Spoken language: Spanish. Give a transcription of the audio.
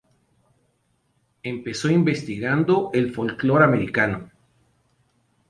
Empezó investigando el folklor americano.